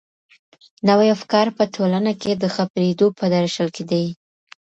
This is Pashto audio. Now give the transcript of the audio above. نوي افکار په ټولنه کي د خپرېدو په درشل کي دي.